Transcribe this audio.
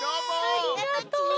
ありがとう。